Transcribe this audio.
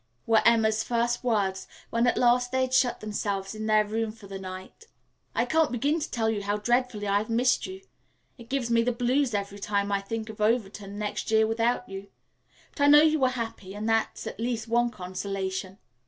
were Emma's first words when at last they had shut themselves in their room for the night. "I can't begin to tell you how dreadfully I've missed you. It gives me the blues every time I think of Overton next year without you. But I know you are happy, and that's at least one consolation."